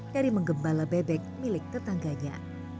dari menggembala bebek milik tetangganya